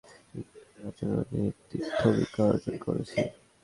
কেননা, আমি আপনার পূর্বে বনী ইসরাঈলের আচরণে তিক্ত অভিজ্ঞতা অর্জন করেছি।